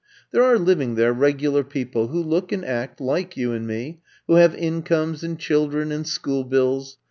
There are living there Regular People, who look and act like you and me, who have incomes and children and school bills.